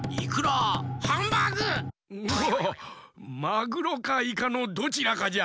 マグロかイカのどちらかじゃ。